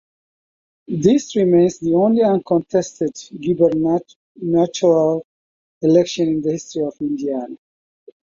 This remains the only uncontested gubernatorial election in the history of Indiana.